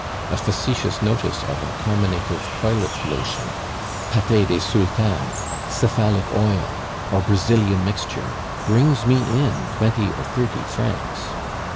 A facetious notice of a Carminative Toilet Lotion, Pate des Sultanes, Cephalic Oil, or Brazilian Mixture brings me in twenty or thirty francs.